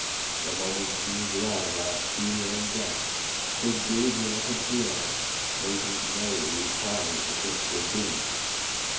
The moments seemed long while she and Death stood gazing up into the air, waiting to know whose prize the prince would be.